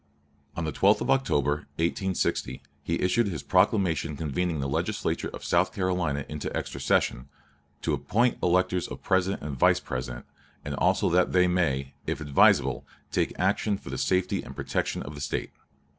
On the 12th of October, 1860, he issued his proclamation convening the Legislature of South Carolina in extra session, "to appoint electors of President and Vice President ... and also that they may, if advisable, take action for the safety and protection of the State."